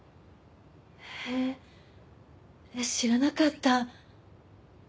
へえ知らなかった。